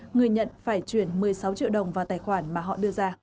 người nhận phải chuyển một mươi sáu triệu đồng vào tài khoản mà họ đưa ra